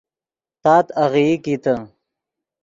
تات آغیئی کیتے